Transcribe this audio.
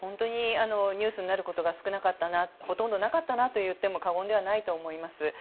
ニュースになることがほとんどなかったなといっても過言ではないと思います。